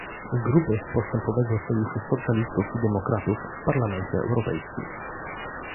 Grupy Postępowego Sojuszu Socjalistów i Demokratów w Parlamencie Europejskim